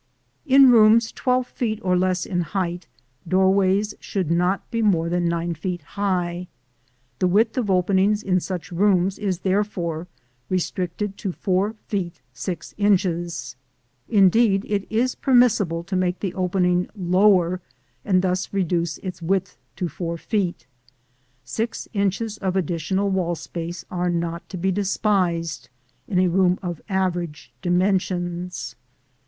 In rooms twelve feet or less in height, doorways should not be more than nine feet high. The width of openings in such rooms is therefore restricted to four feet six inches; indeed, it is permissible to make the opening lower and thus reduce its width to four feet; six inches of additional wall space are not to be despised in a room of average dimensions.